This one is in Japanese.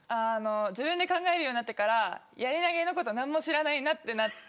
自分で考えるようになってからやり投げのこと何にも知らないなってなって。